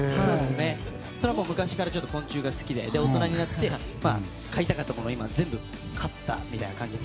それは昔から昆虫が好きで大人になって飼いたかったものを今、全部飼ったみたいな感じで。